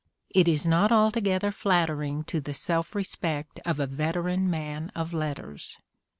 It is not alto gether flattering to the self respect of a veteran man of letters